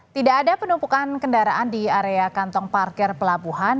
tidak ada penumpukan kendaraan di area kantong parkir pelabuhan